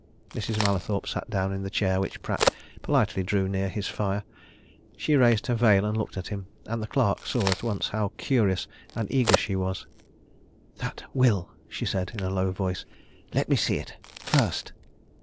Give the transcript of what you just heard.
Mrs. Mallathorpe sat down in the chair which Pratt politely drew near his fire. She raised her veil and looked at him, and the clerk saw at once how curious and eager she was. "That will!" she said, in a low voice. "Let me see it first."